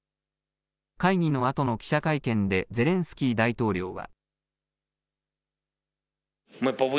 会議のあとの記者会見でゼレンスキー大統領は。